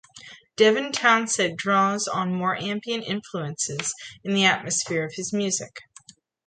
Devin Townsend draws on more ambient influences in the atmosphere of his music.